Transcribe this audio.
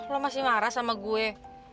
lo masih marah sama gue